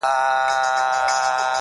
لیکلی وصیت!٫